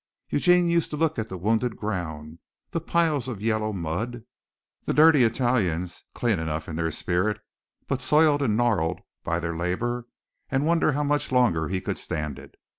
Eugene used to look at the wounded ground, the piles of yellow mud, the dirty Italians, clean enough in their spirit, but soiled and gnarled by their labor, and wonder how much longer he could stand it.